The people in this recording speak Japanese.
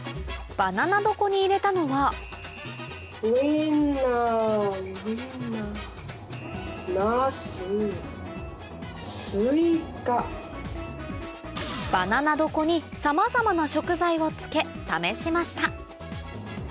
に入れたのはバナナ床にさまざまな食材を漬け試しました